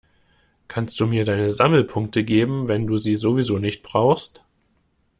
Kannst du mir deine Sammelpunkte geben, wenn du sie sowieso nicht brauchst?